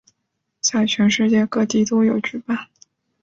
在全世界各地都有举办。